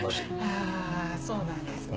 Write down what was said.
あそうなんですね。